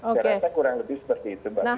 saya rasa kurang lebih seperti itu mbak